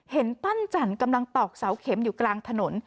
ปั้นจันทร์กำลังตอกเสาเข็มอยู่กลางถนน